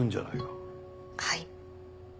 はい。